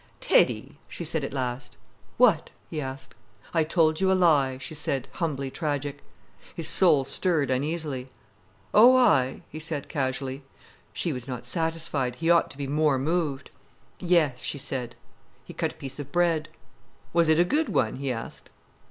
"Teddy!" she said at last. "What?" he asked. "I told you a lie," she said, humbly tragic. His soul stirred uneasily. "Oh aye?" he said casually. She was not satisfied. He ought to be more moved. "Yes," she said. He cut a piece of bread. "Was it a good one?" he asked.